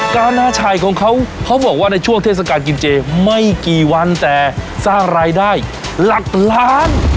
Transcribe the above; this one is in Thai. กานาชัยของเขาเขาบอกว่าในช่วงเทศกาลกินเจไม่กี่วันแต่สร้างรายได้หลักล้าน